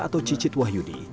atau cicit wahyudi